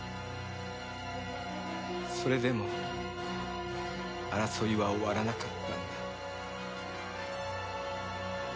それでも争いは終わらなかったんだ。